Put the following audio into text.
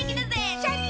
シャキン！